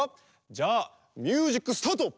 じゃあミュージックスタート！